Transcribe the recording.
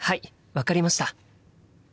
分かりました。